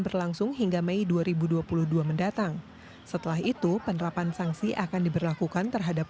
berlangsung hingga mei dua ribu dua puluh dua mendatang setelah itu penerapan sanksi akan diberlakukan terhadap